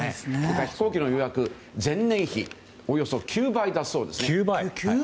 飛行機の予約、前年比およそ９倍だそうです。